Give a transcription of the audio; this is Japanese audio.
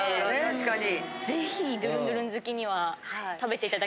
確かに。